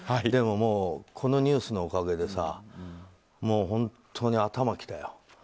でももうこのニュースのおかげでさ本当に頭きたよ。